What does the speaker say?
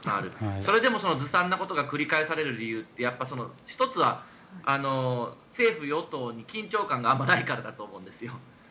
それでもずさんなことが繰り返される理由って１つは政府・与党に緊張感があんまりないからだと思うんですよ。